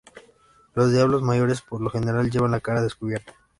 Los diablos mayores, por lo general, llevan la cara descubierta.